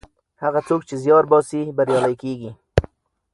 هغه څوک چې زیار باسي بریالی کیږي.